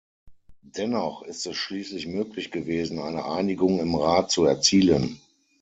Dennoch ist es schließlich möglich gewesen, eine Einigung im Rat zu erzielen.